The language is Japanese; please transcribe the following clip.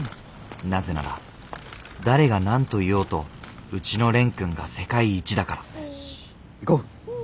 なぜなら誰が何と言おうとうちの蓮くんが世界一だから。